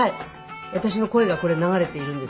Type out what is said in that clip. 私の声がこれ流れているんです。